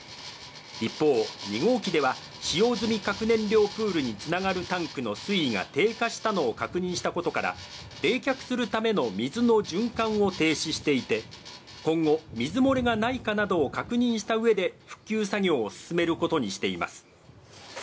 一方、２号機では使用済み核燃料プールにつながるタンクの水位が低下したのを確認したことから、冷却するための水の循環を停止していて今後、水漏れがないかなどを確認した上で復旧作業を進めることにしています。